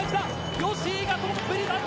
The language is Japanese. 吉居がトップに立った！